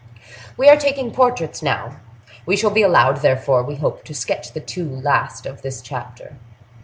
We are taking portraits now; we shall be allowed, therefore, we hope, to sketch the two last of this chapter.